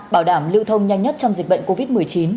bảo đảm lưu thông nhanh nhất trong dịch bệnh covid một mươi chín